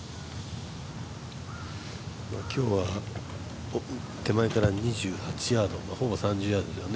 今日は手前から２８ヤード、ほぼ３０ヤードですよね。